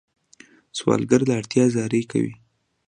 سوالګر له اړتیا زاری کوي